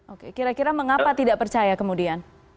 oke kira kira mengapa tidak percaya kemudian